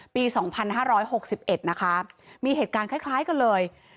ปี๒๕๖๑นะคะมีเหตุการณ์คล้ายกันเลย